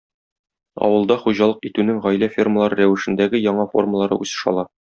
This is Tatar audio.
Авылда хуҗалык итүнең гаилә фермалары рәвешендәге яңа формалары үсеш ала.